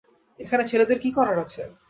এখানে ছেলেদের কী করার আছে?